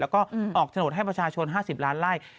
แล้วก็ออกโฉนดให้ประชาชน๕๐ล้านไล่